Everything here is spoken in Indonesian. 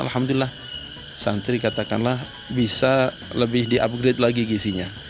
alhamdulillah santri katakanlah bisa lebih di upgrade lagi gisinya